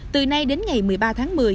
từ nay đến ngày một mươi ba tháng một mươi